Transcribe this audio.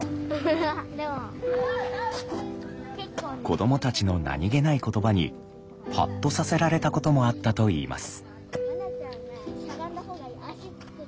子どもたちの何気ない言葉にハッとさせられたこともあったといいます。